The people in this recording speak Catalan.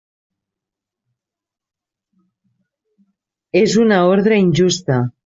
És una ordre injusta.